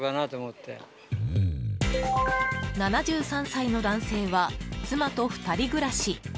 ７３歳の男性は妻と２人暮らし。